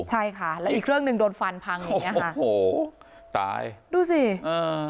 ใช่ค่ะแล้วอีกเครื่องหนึ่งโดนฟันพังอย่างเงี้ค่ะโอ้โหตายดูสิอ่า